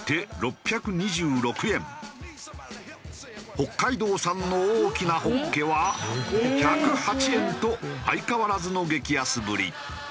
北海道産の大きなホッケは１０８円と相変わらずの激安ぶり。